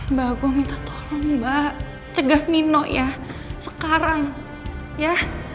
mbak gue minta tolong mbak cegah nino ya sekarang ya